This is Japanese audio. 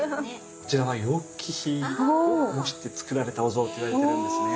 こちらは楊貴妃を模して造られたお像っていわれてるんですね。